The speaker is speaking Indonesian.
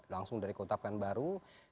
langsung dari kota penbaru